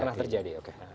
pernah terjadi oke